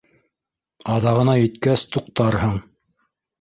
Аҙағына еткәс —туҡтарһың!